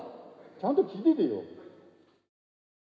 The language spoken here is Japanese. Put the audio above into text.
ちゃんと聞いててよ。